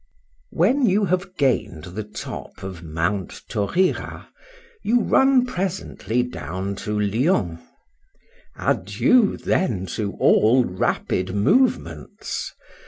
WHEN you have gained the top of Mount Taurira, you run presently down to Lyons:—adieu, then, to all rapid movements!